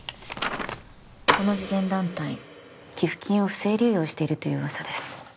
この慈善団体寄付金を不正流用しているという噂です